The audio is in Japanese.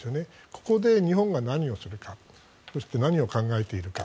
ここで日本が何をするかそして、何を考えているか。